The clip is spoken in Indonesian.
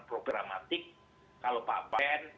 programatik kalau pak ben